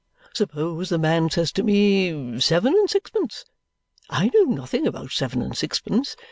Suppose the man says to me seven and sixpence? I know nothing about seven and sixpence.